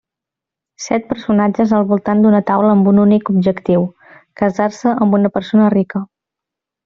Set personatges al voltant d'una taula amb un únic objectiu: casar-se amb una persona rica.